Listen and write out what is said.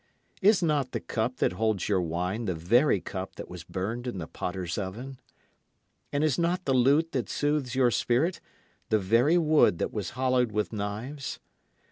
Is not the cup that holds your wine the very cup that was burned in the potter's oven? And is not the lute that soothes your spirit, the very wood that was hollowed with knives?